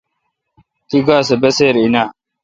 تی گاے سہ بسیر°این۔